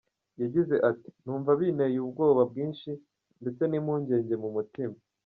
Yagize ati “Numva binteye ubwoba bwinshi, ndetse n’impungenge mu mutima.